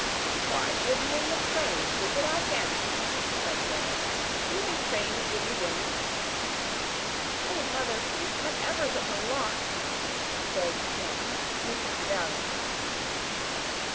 "Why, she'll be in the train, stupid, 'ow can she?" said Sarah. "Do you think trains give you dinners?" "Oh, mother, please cut ever such a lot!" begged Pin sniffing valiantly.